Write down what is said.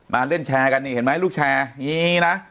มาเล่นแชร์กันนี่เห็นไหมลูกแชร์มีนะ